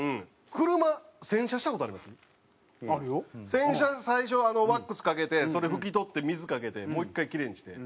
洗車最初ワックスかけてそれ拭き取って水かけてもう１回キレイにして。